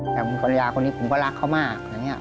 แบบฝันยาคนนี้ผมก็รักเขามากนะเนี่ย